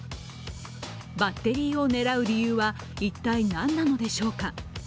バッテリーを狙う理由は一体、なんなのでしょうか。